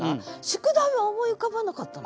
「宿題」は思い浮かばなかったの？